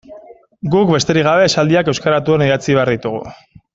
Guk, besterik gabe, esaldiak euskara batuan idatzi behar ditugu.